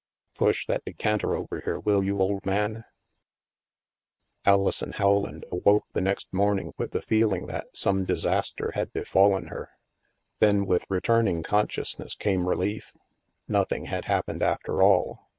Push that de canter over here, will you, old man ?" Alison Howland awoke the next morning with the THE MAELSTROM 155 feeling that some disaster had befallen her. Then, with returning consciousness, came relief. Nothing had happened, after all.